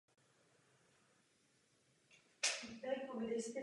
V britské hitparádě deska dosáhla první příčky.